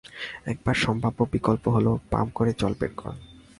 একমাত্র সম্ভাব্য বিকল্প হল পাম্প করে জল বের করা।